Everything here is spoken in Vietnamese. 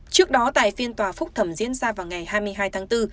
trước đó tại phiên tòa phúc thẩm diễn ra vào ngày hai mươi hai tháng bốn